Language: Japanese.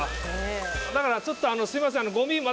だからちょっとあのすいません。